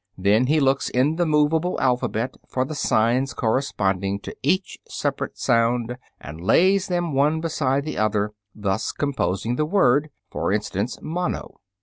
Then he looks in the movable alphabet for the signs corresponding to each separate sound, and lays them one beside the other, thus composing the word (for instance, mano).